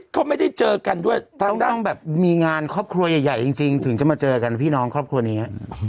เขาไม่ได้เจอกันด้วยทั้งแบบมีงานครอบครัวใหญ่จริงถึงจะมาเจอกันพี่น้องครอบครัวนี้